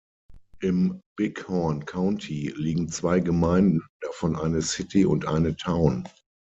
Im Big Horn County liegen zwei Gemeinden, davon eine "City" und eine "Town".